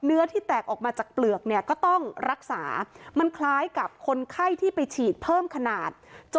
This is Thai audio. เนื้อที่แตกออกมาจากเปลือกเนี่ยก็ต้องรักษามันคล้ายกับคนไข้ที่ไปฉีดเพิ่มขนาด